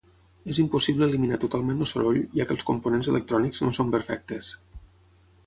És impossible eliminar totalment el soroll, ja que els components electrònics no són perfectes.